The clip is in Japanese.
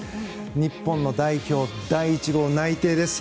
日本代表第１号、内定です。